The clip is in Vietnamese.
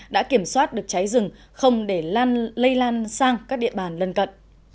đã kiểm soát được cháy rừng không để lây lan sang các địa bàn lân cận